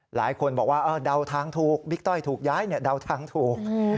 หลายคนบอกว่าเดาทางถูกบิ๊กต้อยถูกย้ายเดาทางถูก